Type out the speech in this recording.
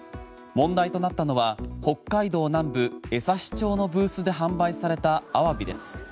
問題となったのは北海道南部江差町のブースで販売されたアワビです。